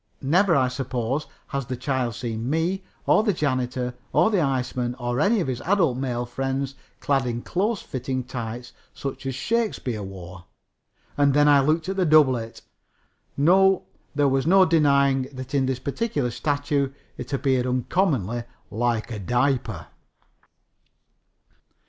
Never, I suppose, had the child seen me, or the janitor, or the iceman or any of his adult male friends clad in close fitting tights such as Shakespeare wore. And then I looked at the doublet. No, there was no denying that in this particular statue it appeared uncommonly like a diaper.